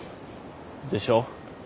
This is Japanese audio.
でしょ？